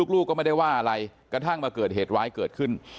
ลูกก็ไม่ได้ว่าอะไรกระทั่งมาเกิดเหตุร้ายเกิดขึ้น